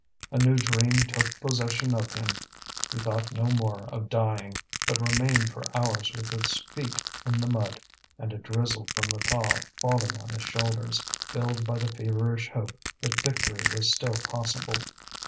A new dream took possession of him; he thought no more of dying, but remained for hours with his feet in the mud, and a drizzle from the thaw falling on his shoulders, filled by the feverish hope that victory was still possible.